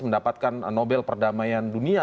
mendapatkan nobel perdamaian dunia